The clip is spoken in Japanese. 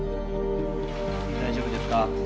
大丈夫ですか？